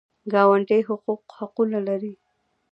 ګاونډي حقونه لري